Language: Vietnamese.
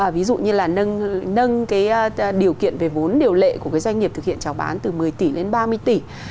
ví dụ như là nâng cái điều kiện về vốn điều lệ của cái doanh nghiệp thực hiện trào bán từ một mươi tỷ lên ba mươi tỷ